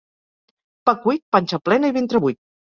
Pa cuit, panxa plena i ventre buit.